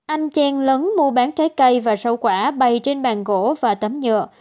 anh chèn lấn mua bán trái cây và rau quả bay trên bàn gỗ và tấm nhựa